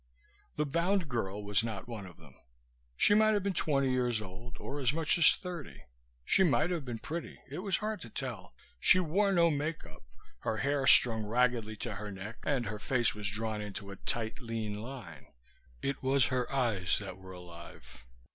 The bound girl was not one of them. She might have been twenty years old or as much as thirty. She might have been pretty. It was hard to tell; she wore no makeup, her hair strung raggedly to her neck, and her face was drawn into a tight, lean line. It was her eyes that were alive.